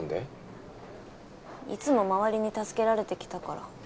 いつも周りに助けられてきたから。